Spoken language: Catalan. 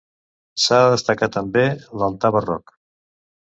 S'ha de destacar també l'altar barroc.